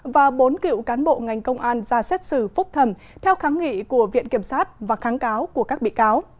và bốn cựu cán bộ ngành công an ra xét xử phúc thẩm theo kháng nghị của viện kiểm sát và kháng cáo của các bị cáo